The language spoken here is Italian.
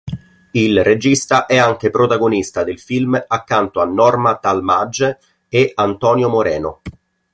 Il regista è anche protagonista del film accanto a Norma Talmadge e Antonio Moreno.